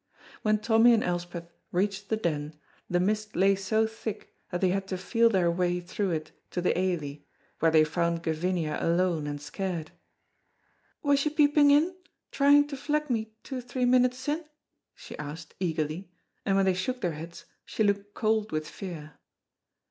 When Tommy and Elspeth reached the Den the mist lay so thick that they had to feel their way through it to the Ailie, where they found Gavinia alone and scared. "Was you peeping in, trying to fleg me twa three minutes syne?" she asked, eagerly, and when they shook their heads, she looked cold with fear.